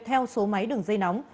theo số máy đường dây nóng